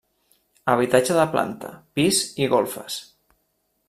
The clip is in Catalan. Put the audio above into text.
Habitatge de planta, pis i golfes.